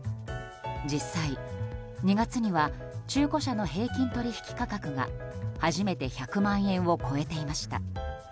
実際、２月には中古車の平均取引価格が初めて１００万円を超えていました。